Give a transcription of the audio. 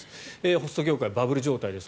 ホスト業界、バブル状態です。